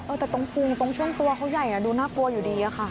แต่ตรงภูมิตรงช่วงตัวเขาใหญ่ดูน่ากลัวอยู่ดีอะค่ะ